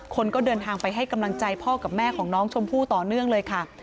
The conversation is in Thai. คนก็เดินทางไปให้กำลังใจพ่อกับแม่ของน้องชมพู่ต่อเนื่องเลยค่ะ